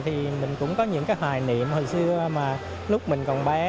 thì mình cũng có những cái hoài niệm hồi xưa mà lúc mình còn bé